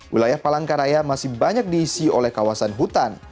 wilayah palangkaraya masih banyak diisi oleh kawasan hutan